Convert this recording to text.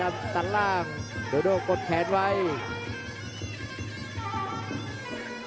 โอ้โหไม่พลาดกับธนาคมโด้แดงเขาสร้างแบบนี้